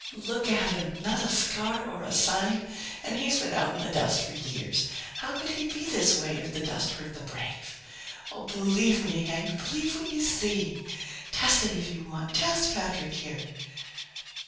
"Look at him. Not a scar or a sign, and he's been out in the dust for years. How could he be this way, if the dust hurt the brave? Oh, believe me, Hank! Believe what you see. Test it if you want. Test Patrick here."